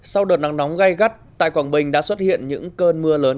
sau đợt nắng nóng gây gắt tại quảng bình đã xuất hiện những cơn mưa lớn